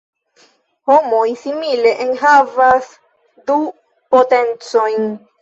Homoj simile enhavas du potencojn.